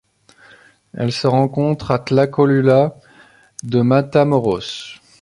Elle se rencontre à Tlacolula de Matamoros.